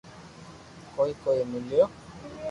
ڪوئي ڪوئي ميليو